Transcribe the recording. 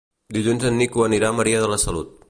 Dilluns en Nico anirà a Maria de la Salut.